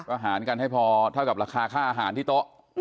อาหารกันให้พอเท่ากับราคาค่าอาหารที่โต๊ะ